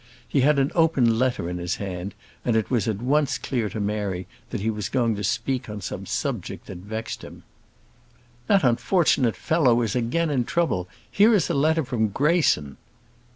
He had an open letter in his hand, and it was at once clear to Mary that he was going to speak on some subject that vexed him. "That unfortunate fellow is again in trouble. Here is a letter from Greyson."